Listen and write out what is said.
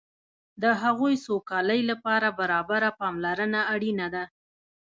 د هغوی سوکالۍ لپاره برابره پاملرنه اړینه ده.